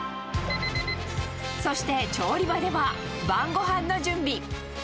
そして、調理場では、晩ごはんの準備。